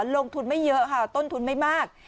ลงทุนไม่เยอะค่ะต้นทุนไม่มาก